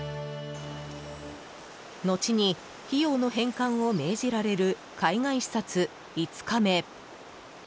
後に費用の返還を命じられる海外視察５日目。